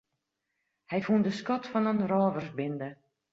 Hy fûn de skat fan in rôversbinde.